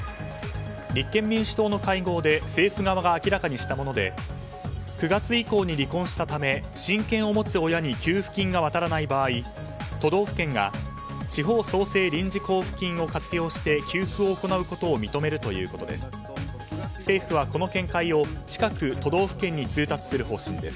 立憲民主党の会合で政府側が明らかにしたもので９月以降に離婚したため親権を持つ親に給付金が渡らない場合都道府県が地方創生臨時交付金を活用して給付を行うことを認めるということです。